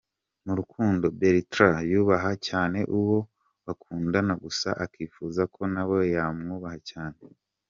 Mu rukundo, Bertrand yubaha cyane uwo bakundana gusa akifuza ko nawe yamwubaha cyane.